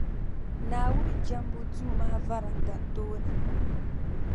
Naawuni jɛmbu duu maa varanda tooni.